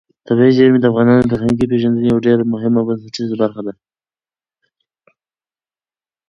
طبیعي زیرمې د افغانانو د فرهنګي پیژندنې یوه ډېره مهمه او بنسټیزه برخه ده.